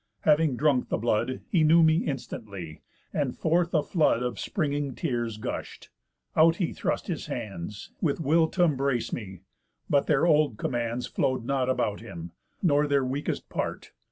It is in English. Having drunk the blood, He knew me instantly, and forth a flood Of springing tears gush'd; out he thrust his hands, With will t' embrace me, but their old commands Flow'd not about him, nor their weakest part.